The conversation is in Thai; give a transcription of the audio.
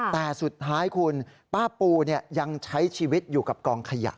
แต่สุดท้ายคุณป้าปูยังใช้ชีวิตอยู่กับกองขยะ